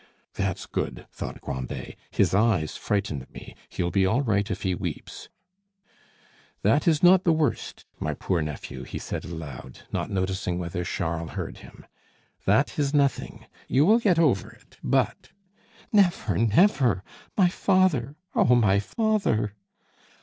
"That's good!" thought Grandet; "his eyes frightened me. He'll be all right if he weeps, That is not the worst, my poor nephew," he said aloud, not noticing whether Charles heard him, "that is nothing; you will get over it: but " "Never, never! My father! Oh, my father!"